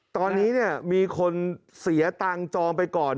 ตอนนี้มีคนเสียตังค์จองไปก่อน